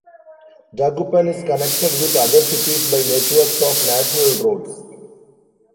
Dagupan is connected with other cities by networks of national roads.